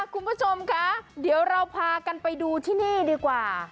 คุณผู้ชมคะเดี๋ยวเราพากันไปดูที่นี่ดีกว่า